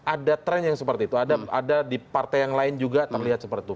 ada tren yang seperti itu ada di partai yang lain juga terlihat seperti itu